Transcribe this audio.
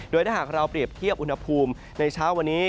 โดยถ้าหากเราเปรียบเทียบอุณหภูมิในเช้าวันนี้